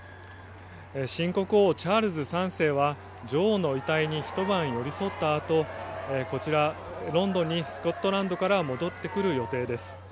新国王、チャールズ３世は女王の遺体にひと晩寄り添ったあとこちら、ロンドンにスコットランドから戻ってくる予定です。